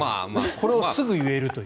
これをすぐに言えると。